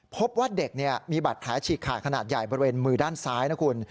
พบว่าเด็กมีบาดแผลฉีกขาดขนาดใหญ่บริเวณมือด้านซ้ายนะคุณ